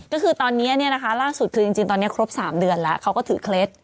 ก็คือตอนเนี้ยเนี้ยนะคะล่างสุดคือจริงจริงตอนเนี้ยครบสามเดือนแล้วเขาก็ถือเคล็ด